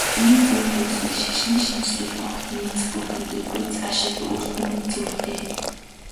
Ийм зүйл үүсвэл шашны шинэчлэлд огт нийцэхгүй төдийгүй шашинд өөрт нь цөвтэй.